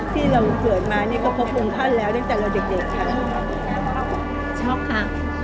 ที่เราเกิดมาเนี่ยก็พบองค์ท่านแล้วตั้งแต่เราเด็กค่ะช็อกค่ะ